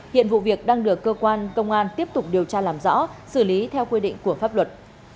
hiện vụ việc đang được cơ quan công an tiếp tục điều tra làm rõ xử lý theo quy định của pháp luật